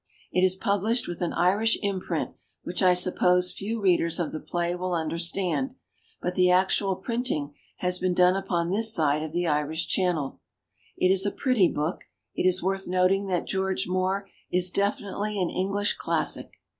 It is published with an Irish imprint which I suppose few readers of the play will understand, but the actual printing has been done upon this side of the Irish Channel. It is a pretty book. It is worth noting that George Moore is definitely an English classic.